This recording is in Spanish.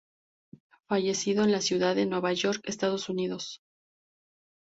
Fallecido en la ciudad de Nueva York, Estados Unidos.